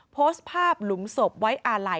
โพสต์ภาพหลุมศพไว้อาลัย